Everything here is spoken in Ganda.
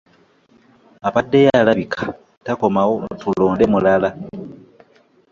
Abaddeyo alabika takomawo tulonde mulala.